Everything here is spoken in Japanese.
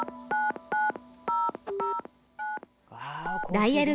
ダイヤル